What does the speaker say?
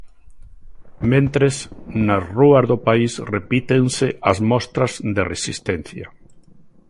Mentres, nas rúas do país repítense as mostras de resistencia.